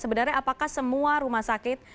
sebenarnya apakah semua rumah sakit